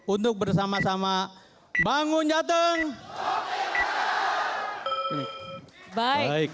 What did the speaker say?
untuk bersama sama bangun jateng